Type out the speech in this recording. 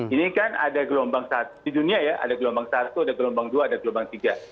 ini kan ada gelombang di dunia ya ada gelombang satu ada gelombang dua ada gelombang tiga